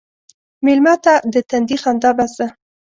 مېلمه ته د تندي خندا بس ده.